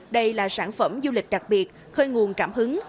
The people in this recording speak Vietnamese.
đây là sản phẩm du lịch đặc biệt khơi nguồn cảm hứng